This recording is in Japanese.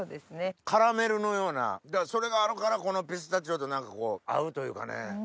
カラメルのようなそれがあるからこのピスタチオと何かこう合うというかね。